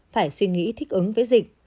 phải suy nghĩ thích ứng với dịch